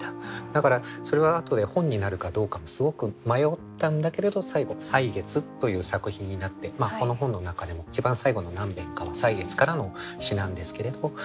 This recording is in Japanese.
だからそれは後で本になるかどうかもすごく迷ったんだけれど最後「歳月」という作品になってこの本の中でも一番最後の何べんかは「歳月」からの詩なんですけれど。